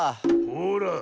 ほら。